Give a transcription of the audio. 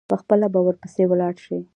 پخپله به ورپسي ولاړ شي.